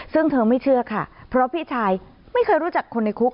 ซึ่งเธอไม่เชื่อค่ะเพราะพี่ชายไม่เคยรู้จักคนในคุก